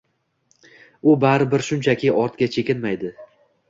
U baribir shunchaki ortga chekinmaydi.